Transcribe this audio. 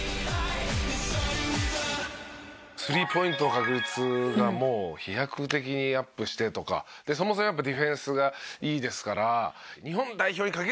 スリーポイントの確率がもう飛躍的にアップしてとかそもそもやっぱディフェンスがいいですから。